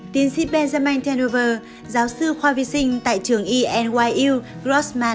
tiến sĩ benjamin tenover giáo sư khoa vi sinh tại trường enyu grossman